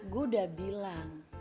gue udah bilang